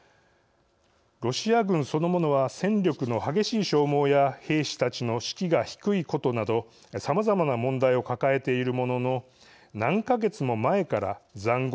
ロシア軍そのものは戦力の激しい消耗や兵士たちの士気が低いことなどさまざまな問題を抱えているものの何か月も前から塹壕や地雷原